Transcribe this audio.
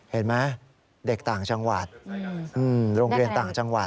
เห็นไหมเด็กต่างจังหวัดโรงเรียนต่างจังหวัด